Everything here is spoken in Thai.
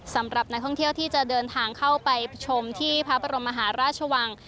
สำหรับนักท่องเที่ยวที่จะเดินทางเข้าไปชมที่พระบรมมหาราชวัง